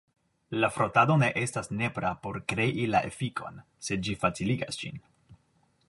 La frotado ne estas nepra por krei la efikon, sed ĝi faciligas ĝin.